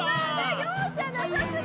容赦なさすぎ！